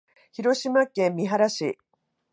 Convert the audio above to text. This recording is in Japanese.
広島県三原市